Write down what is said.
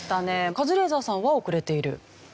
カズレーザーさんは「遅れている」？